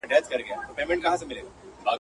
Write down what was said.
سمدستي یې د مرګي مخي ته سپر کړي!